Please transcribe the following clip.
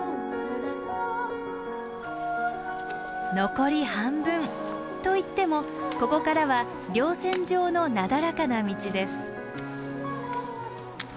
残り半分と言ってもここからは稜線上のなだらかな道です。